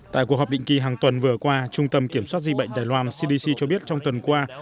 tại cuộc họp định kỳ hàng tuần vừa qua trung tâm kiểm soát di bệnh đài loan cdc cho biết trong tuần qua